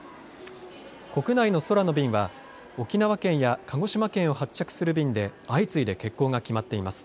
国内の空の便は沖縄県や鹿児島県を発着する便で相次いで欠航が決まっています。